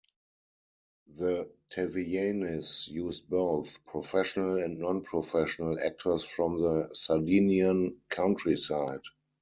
The Tavianis used both professional and non-professional actors from the Sardinian countryside.